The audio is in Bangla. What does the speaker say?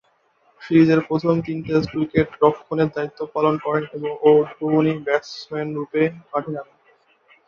সিরিজের প্রথম তিন টেস্টে উইকেট রক্ষণের দায়িত্ব পালন করেন ও উদ্বোধনী ব্যাটসম্যানরূপে মাঠে নামেন।